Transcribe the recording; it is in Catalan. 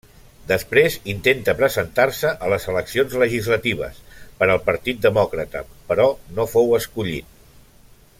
Després intenta presentar-se a les eleccions legislatives per al Partit demòcrata, però no fou escollit.